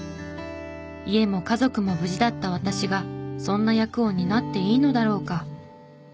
「家も家族も無事だった私がそんな役を担っていいのだろうか？」。